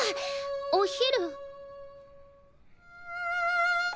お昼。